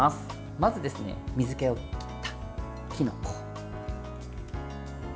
まず水けを切ったきのこ。